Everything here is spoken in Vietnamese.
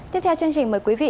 tiếp theo chương trình mời quý vị